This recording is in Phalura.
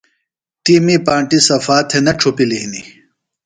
تی می پانٹیۡ صفا تھےۡ نہ ڇھوپِلیۡ ہِنیۡ۔